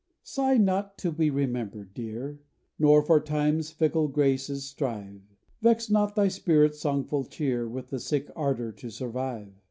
SIGH not to be remembered, dear, Nor for Time's fickle graces strive; Vex not thy spirit's songful cheer With the sick ardor to survive.